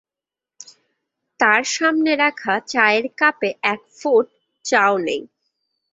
তাঁর সামনে রাখা চায়ের কাপে এক ফোঁট চাও নেই।